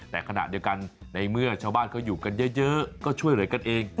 แต่ขณะเดียวกันในเมื่อชาวบ้านเขาอยู่กันเยอะก็ช่วยเหลือกันเอง